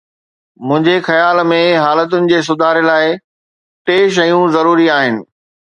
منهنجي خيال ۾ حالتن جي سڌاري لاءِ ٽي شيون ضروري آهن.